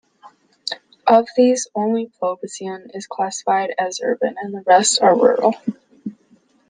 Of these, only Poblacion is classified as urban and the rest are rural.